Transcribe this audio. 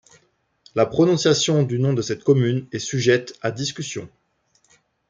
La prononciation du nom de cette commune est sujette à discussion.